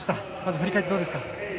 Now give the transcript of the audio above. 振り返ってどうですか？